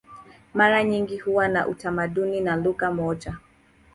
Mara nyingi huwa na utamaduni na lugha moja.